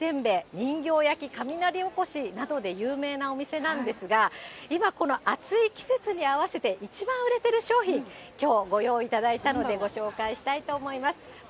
こちらの壱番屋さんは、手焼きせんべい、人形焼、雷おこしなどで有名なお店なんですが、今、この暑い季節に合わせて一番売れている商品、きょう、ご用意いただいたので、ご紹介したいと思います。